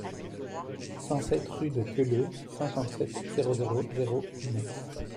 cent sept rue de Queuleu, cinquante-sept, zéro zéro zéro, Metz